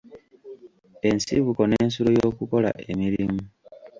Ensibuko n'ensulo y'okukola emirimu.